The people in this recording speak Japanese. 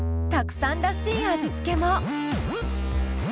Ｔａｋｕさんらしい味付けも！